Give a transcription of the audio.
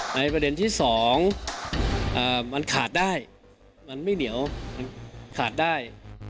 ในประเด็นที่๒มันขาดได้มันไม่เหนียวมันขาดได้